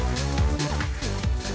nggak ada apa apa